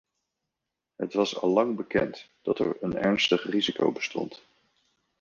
Het was allang bekend dat er een ernstig risico bestond.